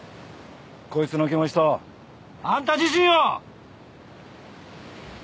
こいつの気持ちとあんた自身を！